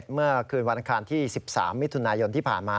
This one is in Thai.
เมื่อคืนวันอังคารที่๑๓มิถุนายนที่ผ่านมา